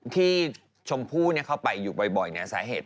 ที่ชมผู้เขาไปอยู่บ่อยเนี่ยสาเหตุ